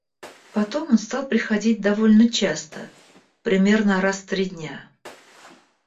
Потом он стал приходить довольно часто, примерно раз в три дня.